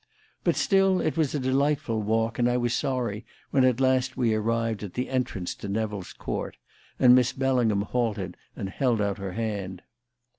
But still it was a delightful walk, and I was sorry when at last we arrived at the entrance to Nevill's Court, and Miss Bellingham halted and held out her hand.